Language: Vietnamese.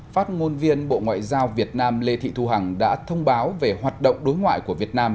phát ngôn viên bộ ngoại giao việt nam lê thị thu hằng đã thông báo về hoạt động đối ngoại của việt nam